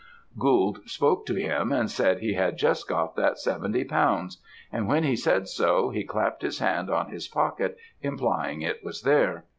Gould spoke to him, and said he had just got that seventy pounds; and when he said so, he clapt his hand on his pocket, implying it was there.